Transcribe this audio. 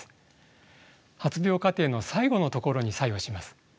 発病過程の最後のところに作用します。